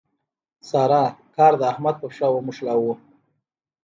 سارا کار د احمد په پښه ونښلاوو.